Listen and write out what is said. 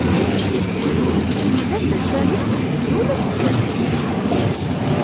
Nekk yellan d lfani, d ulac sdat-k.